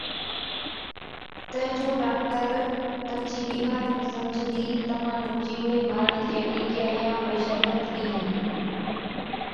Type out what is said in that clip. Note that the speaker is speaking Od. تہ جُون ڊاڪٽر تمچِي بِيمارِي نُون سمجھتِي تمهان نُون جِيوڙين مارڻي چِيا ٽِڪِيا يان بڙي شربت ڏِيهِي۔